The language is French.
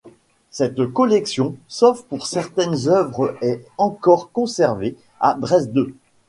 Cette collection, sauf pour certaines œuvres, est encore conservée à Dresde.